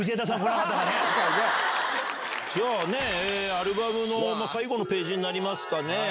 アルバムの最後のページになりますかね。